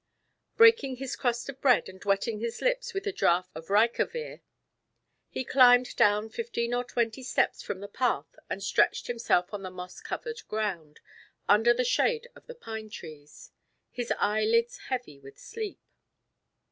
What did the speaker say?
Breaking his crust of bread and wetting his lips with a draught of Rikevir, he climbed down fifteen or twenty steps from the path and stretched himself on the moss covered ground, under the shade of the pine trees; his eyelids heavy with sleep.